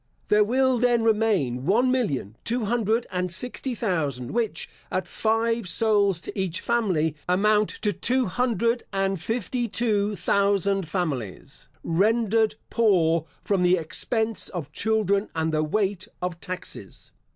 There will then remain one million two hundred and sixty thousand which, at five souls to each family, amount to two hundred and fifty two thousand families, rendered poor from the expense of children and the weight of taxes.